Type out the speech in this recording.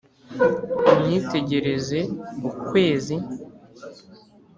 unyitegereze ukwezi,